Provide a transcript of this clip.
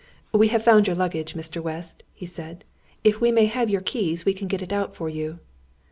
"We have found your luggage, Mr. West," he said. "If we may have your keys we can get it out for you."